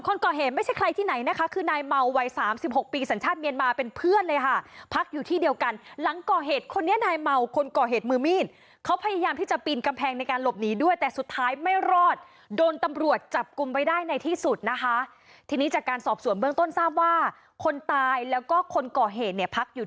คนก่อเหตุไม่ใช่ใครที่ไหนนะคะคือนายเมาวัยสามสิบหกปีสัญชาติเมียนมาเป็นเพื่อนเลยค่ะพักอยู่ที่เดียวกันหลังก่อเหตุคนนี้นายเมาคนก่อเหตุมือมีดเขาพยายามที่จะปีนกำแพงในการหลบหนีด้วยแต่สุดท้ายไม่รอดโดนตำรวจจับกลุ่มไว้ได้ในที่สุดนะคะทีนี้จากการสอบส่วนเบื้องต้นทราบว่าคนตายแล้วก็คนก่อเหตุเนี่ยพักอยู่